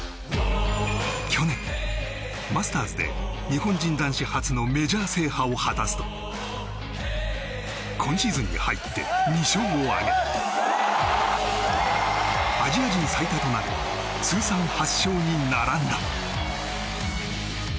去年、マスターズで日本人男子初のメジャー制覇を果たすと今シーズンに入って２勝を挙げアジア人最多となる通算８勝に並んだ。